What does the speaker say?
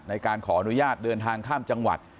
ในการขออนุญาตเดินทางข้ามจังหวัด